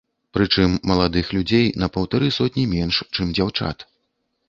Прычым маладых людзей на паўтары сотні менш, чым дзяўчат.